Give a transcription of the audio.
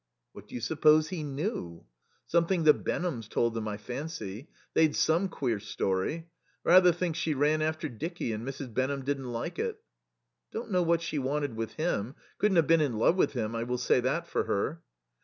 "What do you suppose he knew?" "Something the Benhams told them, I fancy. They'd some queer story. Rather think she ran after Dicky, and Mrs. Benham didn't like it." "Don't know what she wanted with him. Couldn't have been in love with him, I will say that for her."